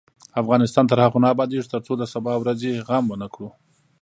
افغانستان تر هغو نه ابادیږي، ترڅو د سبا ورځې غم ونکړو.